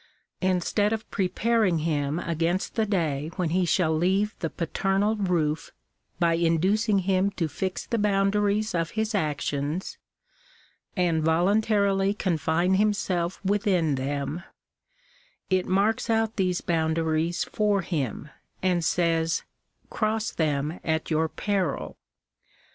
Instead of preparing him against the day when he shall leave the paternal roof, by inducing him to fix the Digitized by VjOOQIC 186 THE RIGHTS OF CHILDREN. boundaries of his actions and voluntarily confine himself within them, it marks out these boundaries for him, and says^~" cross them at your peril."